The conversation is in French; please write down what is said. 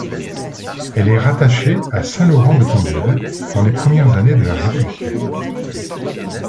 Elle est rattachée à Saint-Laurent-de-Condel dans les premières années de la Révolution.